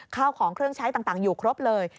ข้าวของเครื่องใช้ต่างอยู่ครบเลย